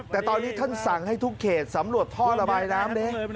แต่ตอนนี้ท่านสั่งให้ทุกเขตสำรวจท่อระบายน้ำนี้